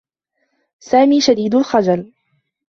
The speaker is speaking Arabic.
سامي شديد الخجل.